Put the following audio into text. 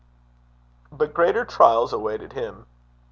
But greater trials awaited him.